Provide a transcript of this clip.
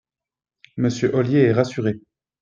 Monsieur Ollier est rassuré